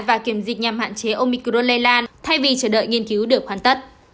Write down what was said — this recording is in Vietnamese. và kiểm dịch nhằm hạn chế omicro lây lan thay vì chờ đợi nghiên cứu được hoàn tất